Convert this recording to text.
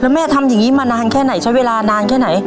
แม่ทำอย่างนี้มานานแค่ไหนใช้เวลานานแค่ไหน